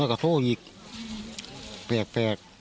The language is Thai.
แล้วก็โทรอีกแปลก